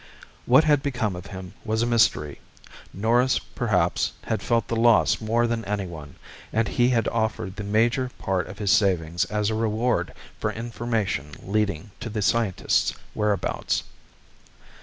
What had become of him was a mystery. Norris perhaps had felt the loss more than any one, and he had offered the major part of his savings as a reward for information leading to the scientist's whereabouts.